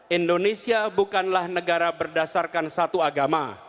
indonesia bukanlah negara berdasarkan satu agama